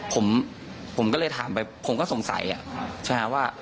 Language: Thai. ผมผมก็เลยถามไปผมก็สงสัยใช่ไหมว่า